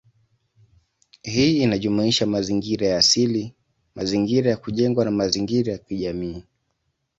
Hii inajumuisha mazingira ya asili, mazingira ya kujengwa, na mazingira ya kijamii.